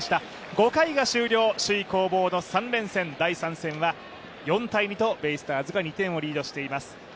５回が終了、首位攻防の３連戦、第３戦は４−２とベイスターズが２点をリードしています。